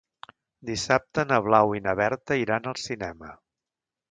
Dissabte na Blau i na Berta iran al cinema.